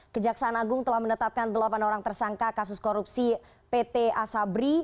kejaksaan agung telah menetapkan delapan orang tersangka kasus korupsi pt asabri